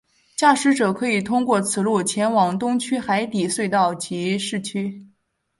驾驶者可以通过此路前往东区海底隧道及市区。